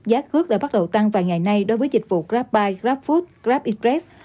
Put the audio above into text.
giá khước đã bắt đầu tăng vài ngày nay đối với dịch vụ grabpi grabfood grabexpress